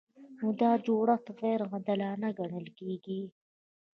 نو دا جوړښت غیر عادلانه ګڼل کیږي.